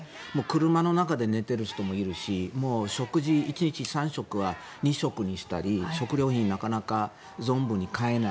車の中で寝ている人もいるし食事、１日３食を２食にしたり食料品がなかなか存分に買えない。